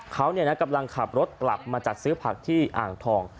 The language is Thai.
เขากำลังขับรถกลับมาจัดซื้อผักที่อ่างทอง